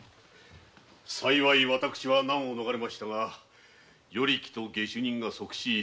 幸い私は難を逃れましたが与力と下手人が即死下手人